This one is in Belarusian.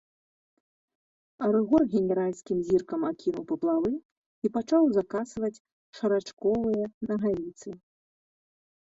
Рыгор генеральскім зіркам акінуў паплавы і пачаў закасваць шарачковыя нагавіцы.